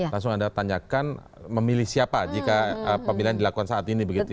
langsung anda tanyakan memilih siapa jika pemilihan dilakukan saat ini begitu ya